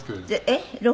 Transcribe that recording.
えっ？